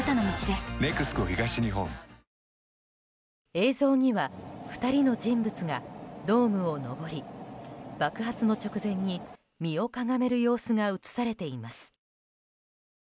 映像には２人の人物がドームを上り爆発の直前に身をかがめる様子が映されています。